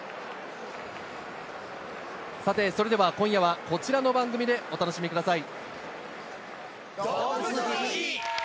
それでは今夜はこちらの番組でお楽しみください。